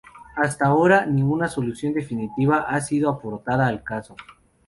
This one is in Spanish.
Hasta ahora, ninguna solución definitiva ha sido aportada al caso.